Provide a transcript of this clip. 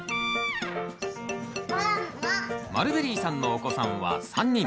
マルベリーさんのお子さんは３人。